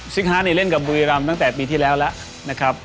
ซิกฮาร์ดเล่นกับบุรีรัมป์ตั้งแต่ปีที่แล้วนะครับ